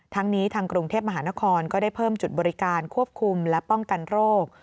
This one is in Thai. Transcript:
ทั้งนี้ทางกรุงเทพมหานครก็ได้เพิ่มจุดบริการควบคุมและป้องกันโรค